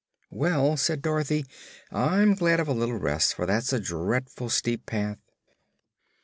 "Well," said Dorothy, "I'm glad of a little rest, for that's a drea'ful steep path."